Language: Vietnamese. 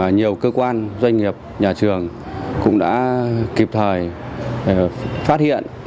nhiều cơ quan doanh nghiệp nhà trường cũng đã kịp thời phát hiện